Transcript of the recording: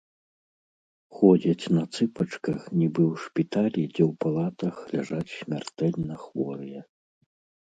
Ходзяць на цыпачках, нібы ў шпіталі, дзе ў палатах ляжаць смяртэльна хворыя.